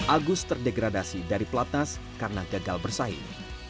agus terdegradasi dari pelatnas karena gagal bersaing